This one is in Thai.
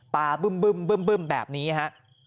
ปาบึ้มแบบนี้ครับ